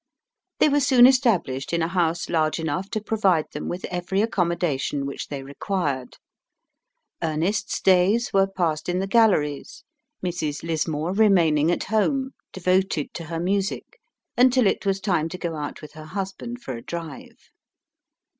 They were soon established in a house large enough to provide them with every accommodation which they required. Ernest's days were passed in the galleries, Mrs. Lismore remaining at home, devoted to her music, until it was time to go out with her husband for a drive.